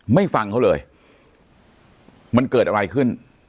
ฟังเขาเลยมันเกิดอะไรขึ้น